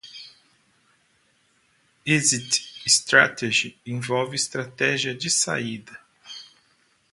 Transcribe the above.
Exit Strategy envolve estratégia de saída.